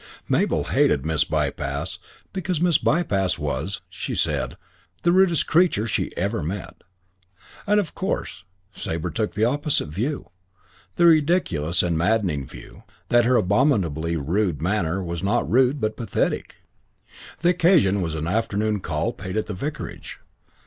Mabel hated Miss Bypass because Miss Bypass was, she said, the rudest creature she ever met. And "of course" Sabre took the opposite view the ridiculous and maddening view that her abominably rude manner was not rude but pathetic. The occasion was an afternoon call paid at the vicarage.